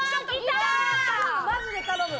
マジで頼む！